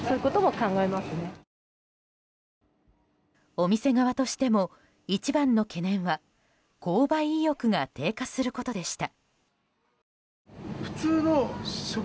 お店側としても、一番の懸念は購買意欲が低下することでした。